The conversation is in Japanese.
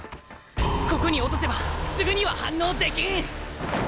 ここに落とせばすぐには反応できん！